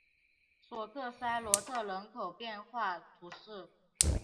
索克塞罗特人口变化图示